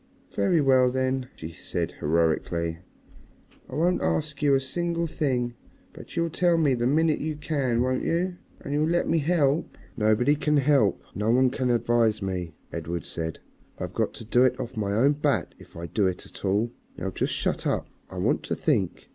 "Very well, then," she said heroically, "I won't ask you a single thing. But you'll tell me the minute you can, won't you? And you'll let me help?" "Nobody can help, no one can advise me," Edred said. "I've got to do it off my own bat if I do it at all. Now you just shut up, I want to think."